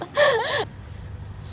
sebelum saya disini